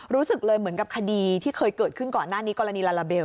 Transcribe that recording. รู้สึกเลยเหมือนกับคดีที่เคยเกิดขึ้นก่อนหน้านี้กรณีลาลาเบล